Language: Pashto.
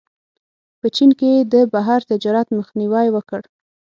په چین کې یې د بهر تجارت مخنیوی وکړ.